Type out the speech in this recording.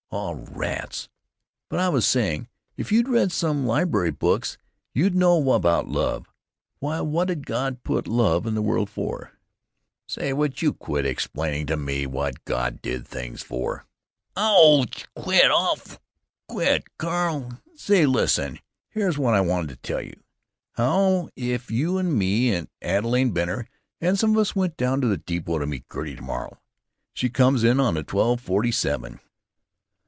"Oh, rats! But I was saying, if you'd read some library books you'd know about love. Why, what 'd God put love in the world for——" "Say, will you quit explaining to me about what God did things for?" "Ouch! Quit! Awwww, quit, Carl.... Say, listen; here's what I wanted to tell you: How if you and me and Adelaide Benner and some of us went down to the depot to meet Gertie, to morrow? She comes in on the twelve forty seven."